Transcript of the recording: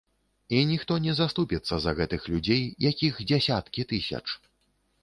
І ніхто не заступіцца за гэтых людзей, якіх дзясяткі тысяч!